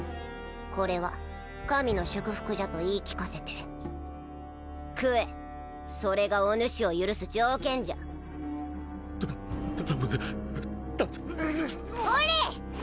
これは神の祝福じゃと言い聞かせて食えそれがおぬしを許す条件じゃた頼む助けほれ！